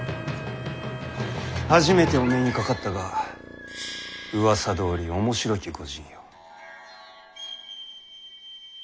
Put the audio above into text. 初めてお目にかかったがうわさどおり面白き御仁よ。